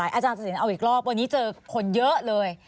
อาจารย์ตัดสินเอาอีกรอบวันนี้เจอคนเยอะเลย